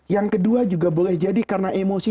yang kedua juga boleh jadi karena emosi